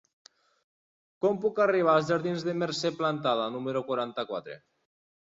Com puc arribar als jardins de Mercè Plantada número quaranta-quatre?